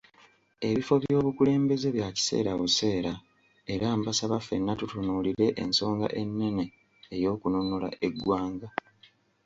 Ebifo by'obukulembeeze bya kaseera buseera era mbasaba ffenna tutunulire ensonga ennene ey'okununula eggwanga.